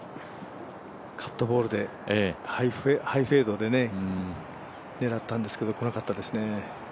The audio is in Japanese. カットボールでハイフェードで狙ったんですけど来なかったですね。